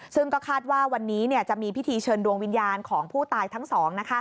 ซึ่งก็คาดว่าวันนี้จะมีพิธีเชิญดวงวิญญาณของผู้ตายทั้งสอง